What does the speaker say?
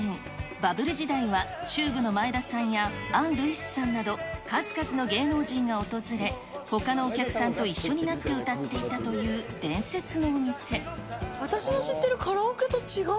バブル時代はＴＵＢＥの前田さんや、アン・ルイスさんなど、数々の芸能人が訪れ、ほかのお客さんと一緒になって歌っていたと私の知ってるカラオケと違う。